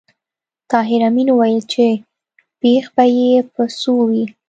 طاهر آمین وویل چې بېخ به یې په څو وي